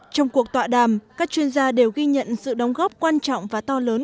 trong cuộc tọa đàm các chuyên gia đều ghi nhận sự đóng góp quan trọng và to lớn